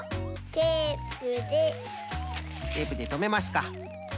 テープでとめますか！